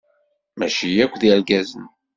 Maci akk d irgazen.